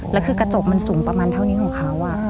แล้วคือกระจกมันสูงประมาณเท่านี้ของเขา